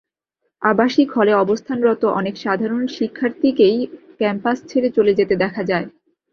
আবাসিক হলে অবস্থানরত অনেক সাধারণ শিক্ষার্থীকেই ক্যাম্পাস ছেড়ে চলে যেতে দেখা যায়।